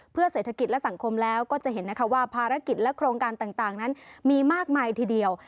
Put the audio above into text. เพื่อเศรษฐกิจและสังคมแล้วก็จะเห็นนะคะว่าภารกิจและโครงการต่างนั้นมีมากมายทีเดียว